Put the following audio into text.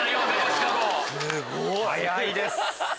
早いです！